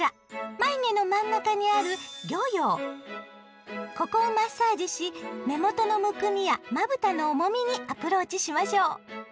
眉毛の真ん中にあるここをマッサージし目元のむくみやまぶたの重みにアプローチしましょう。